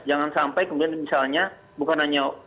jangan sampai kemudian misalnya bukan hanya